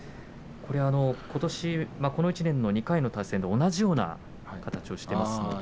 この１年、２回の対戦で同じような形になっています。